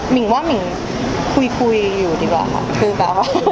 เอ่อมิ่งว่ามิ่งคุยอยู่ดีกว่าค่ะ